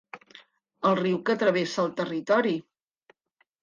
El riu que travessa el territori.